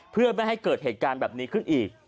เพื่อไม่ให้เกิดเหตุการณ์แบบนี้ขึ้นอีก